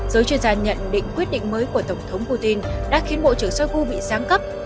giới chuyên gia nhận định quyết định mới của tổng thống putin đã khiến bộ trưởng shoigu bị sáng cấp